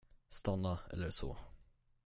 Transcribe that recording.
Stanna, eller så.